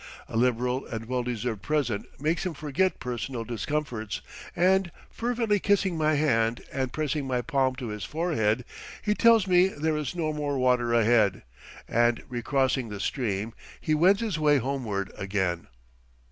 A liberal and well deserved present makes him forget personal discomforts, and, fervently kissing my hand and pressing my palm to his forehead, he tells me there is no more water ahead, and, recrossing the stream, he wends his way homeward again.